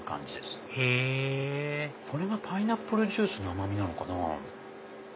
へぇこれがパイナップルジュースの甘みなのかな？